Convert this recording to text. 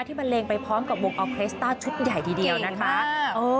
บันเลงไปพร้อมกับวงออเครสต้าชุดใหญ่ทีเดียวนะคะ